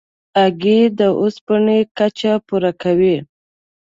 هګۍ د اوسپنې کچه پوره کوي.